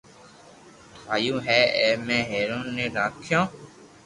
ٺايو ھين اي ۾ ھيرن ني راکييو